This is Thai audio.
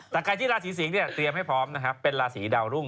แต่ใครที่ราศีสิงศ์เนี่ยเตรียมให้พร้อมนะครับเป็นราศีดาวรุ่ง